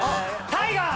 タイガー。